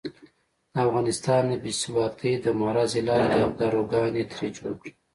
د افغانستان د بې ثباتۍ د مرض د علاج داروګان یې ترې جوړ کړل.